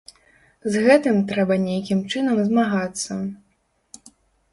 З гэтым трэба нейкім чынам змагацца.